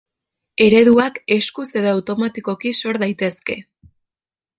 Ereduak eskuz edo automatikoki sor daitezke.